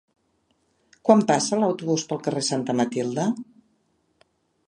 Quan passa l'autobús pel carrer Santa Matilde?